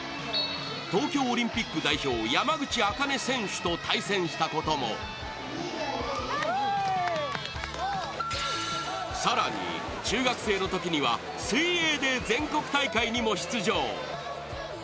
東京オリンピック代表山口茜選手と対戦したことも更に、中学生のときには水泳で全国大会にも出場。